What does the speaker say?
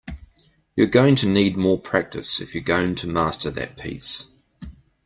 You're going to need more practice if you're going to master that piece.